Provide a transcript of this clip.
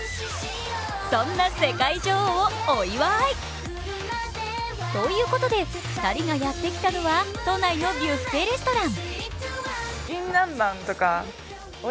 そんな世界女王をお祝い。ということで２人がやってきたのは、都内のビュッフェレストラン。